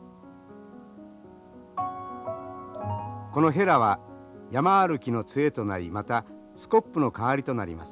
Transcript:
このヘラは山歩きの杖となりまたスコップの代わりとなります。